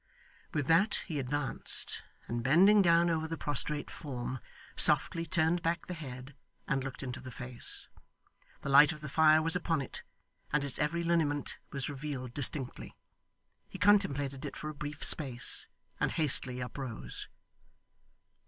With that he advanced, and bending down over the prostrate form, softly turned back the head and looked into the face. The light of the fire was upon it, and its every lineament was revealed distinctly. He contemplated it for a brief space, and hastily uprose.